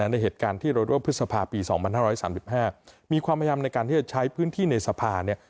ในเหตุการณ์ที่เราเรียกว่าพฤษภาปีสองพันห้าร้อยสามสิบห้ามีความพยายามในการที่จะใช้พื้นที่ในสภาเนี่ย